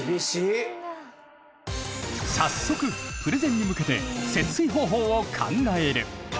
早速プレゼンに向けて節水方法を考える。